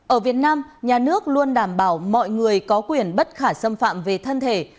ở việt nam nhà nước luôn đảm bảo mọi người có quyền bất khả xâm phạm về thân thể